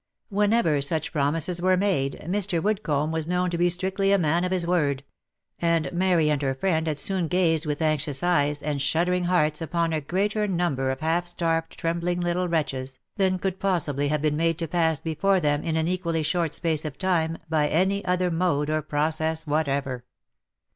Whenever such promises were made, Mr. Woodcomb was known to be strictly a man of his word; and Mary and her friend had soon gazed with anxious eyes and shuddering hearts upon a greater number of half starved trembling little wretches, than could possibly have been made to pass before them in an equally short space of time, by any other mode or process whatever.